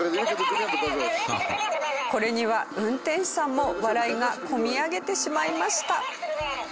これには運転手さんも笑いが込み上げてしまいました。